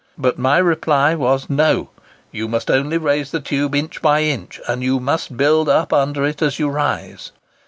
But my reply was, 'No: you must only raise the tube inch by inch, and you must build up under it as you rise.